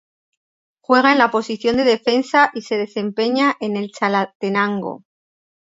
Juega en la posición de defensa y se desempeña en el Chalatenango.